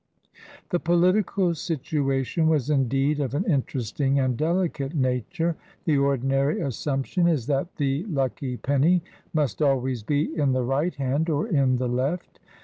The political situation was indeed of an interesting and delicate nature. The ordinary assumption is that the lucky penny must always be in the right hand or in the left.